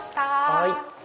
はい。